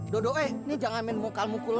dodo eh nih jangan main muka muku lu